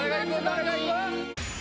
誰がいく？